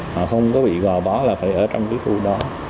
mà không có bị gò bó là phải ở trong cái khu đó